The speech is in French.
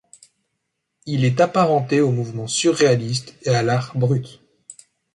Il est apparenté au mouvement surréaliste et à l'art brut.